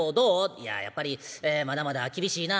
「いややっぱりまだまだ厳しいな」。